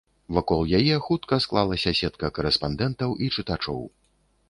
Вакол яе хутка склалася сетка карэспандэнтаў і чытачоў.